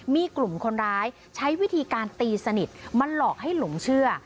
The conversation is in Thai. มีกลุ่มคนร้ายใช้วิธีการตีสนิทมาหลอกให้หลงเชื่อ